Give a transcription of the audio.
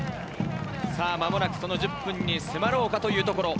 間もなく、その１０分に迫ろうかというところ。